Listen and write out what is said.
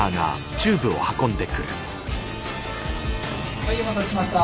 はいお待たせしました。